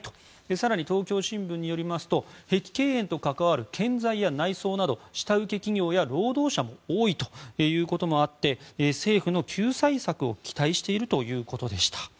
更に東京新聞によりますと碧桂園と関わる建材や内装など下請け企業や労働者も多いということもあって政府の救済策を期待しているということでした。